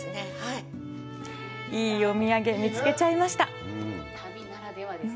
いいお土産、見つけちゃいました。